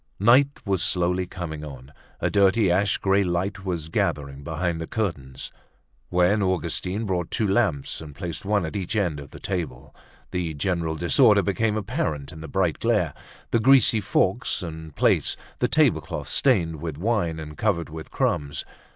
Night was slowly coming on; a dirty ashy grey light was gathering behind the curtains. When Augustine brought two lamps and placed one at each end of the table, the general disorder became apparent in the bright glare—the greasy forks and plates, the table cloth stained with wine and covered with crumbs.